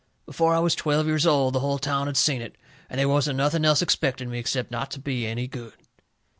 Before I was twelve years old the hull town had seen it, and they wasn't nothing else expected of me except not to be any good.